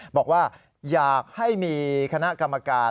บอกว่าอยากให้มีคณะกรรมการ